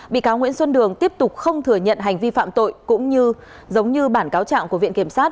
bị cáo nguyễn xuân đường tiếp tục không thừa nhận hành vi phạm tội cũng như giống như bản cáo trạng của viện kiểm sát